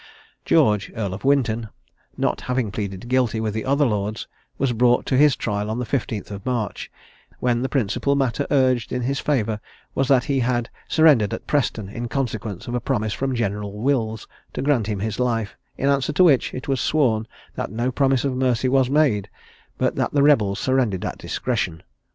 George, Earl of Winton, not having pleaded guilty with the other lords, was brought to his trial on the 15th of March, when the principal matter urged in his favour was that he had surrendered at Preston, in consequence of a promise from General Wills to grant him his life: in answer to which it was sworn that no promise of mercy was made, but that the rebels surrendered at discretion.